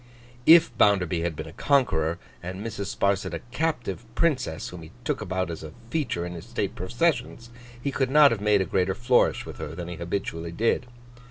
If Bounderby had been a Conqueror, and Mrs. Sparsit a captive Princess whom he took about as a feature in his state processions, he could not have made a greater flourish with her than he habitually did.